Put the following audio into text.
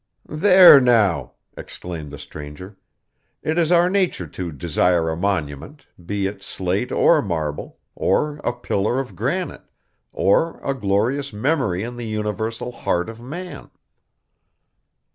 'There now!' exclaimed the stranger; 'it is our nature to desire a monument, be it slate or marble, or a pillar of granite, or a glorious memory in the universal heart of man.